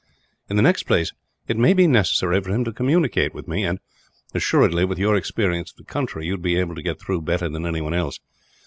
"In the next place, it may be necessary for him to communicate with me and, assuredly, with your experience of the country, you would be able to get through better than anyone else.